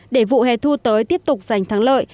để vụ hè thu tới tiếp tục giành thắng lợi